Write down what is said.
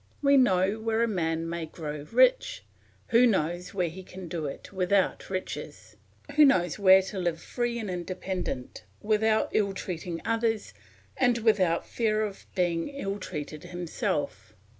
We know where a man may grow rich; who knows where he can do without riches? Who knows where to live free and independent, without ill treating others and without fear of being ill treated himself!